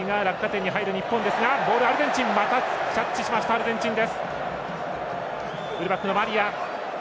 アルゼンチン。